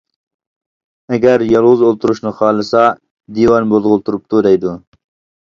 ئەگەر يالغۇز ئولتۇرۇشنى خالىسا، «دىۋانە بولغىلى تۇرۇپتۇ» دەيدۇ.